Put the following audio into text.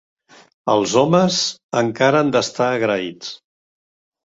Els homes encara han d'estar agraïts